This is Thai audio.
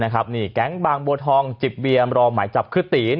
แก๊งบางบัวทองจิบเบียร์รอหมายจับครึ่ตี